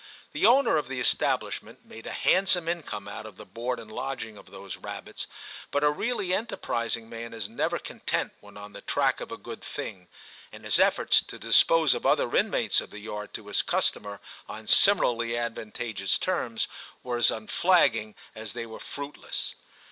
The owner of the establishment made a handsome income out of the board and lodging of those rabbits, but a really enterprising man is never content when on the track of a good thing, and his efforts to dispose of other inmates of the yard to his customer on similarly advantageous terms were as unflagging as they were fruitless.